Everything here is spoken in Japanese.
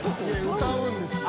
歌うんですよ。